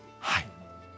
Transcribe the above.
はい。